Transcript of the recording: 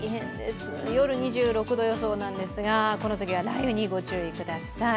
夜２６度予想なんですが、このときは雷雨にご注意ください。